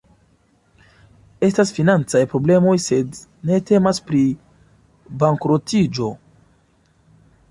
Estas financaj problemoj, sed ne temas pri bankrotiĝo.